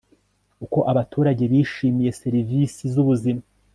uko abaturage bishimiye serivisi z'ubuzima